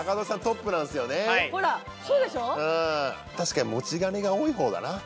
確かに持ち金が多いほうだな。